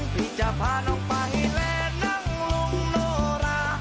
ที่จะพาน้องไปและนั่งลงโนรา